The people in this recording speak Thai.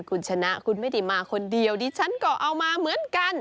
คุณชนะคุณไม่ได้มาคนเดียวดิฉันก็เอามาเหมือนกัน